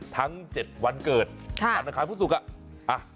ทั้ง๗วันเกิดทางน้ำคลายภูมิสูจน์